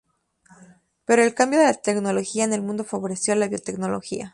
Pero el cambio de la tecnología en el mundo favoreció la biotecnología.